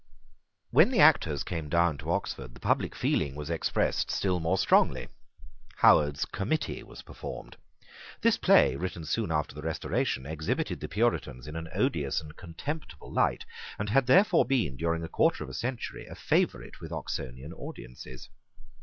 When the actors came down to Oxford, the public feeling was expressed still more strongly. Howard's Committee was performed. This play, written soon after the Restoration, exhibited the Puritans in an odious and contemptible light, and had therefore been, during a quarter of a century, a favourite with Oxonian audiences.